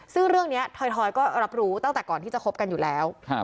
ซึ่งเรื่องนี้ทอยก็รับรู้ตั้งแต่ก่อนที่จะคบกันอยู่แล้ว